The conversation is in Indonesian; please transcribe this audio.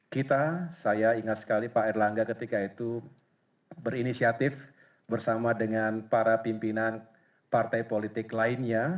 kita saya ingat sekali pak erlangga ketika itu berinisiatif bersama dengan para pimpinan partai politik lainnya